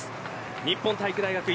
日本体育大学１